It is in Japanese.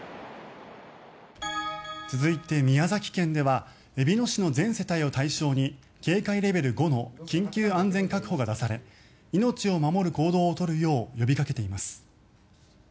続いて、宮崎県ではえびの市の全世帯を対象に警戒レベル５の緊急安全確保が出され命を守る行動を取るよう呼びかけています。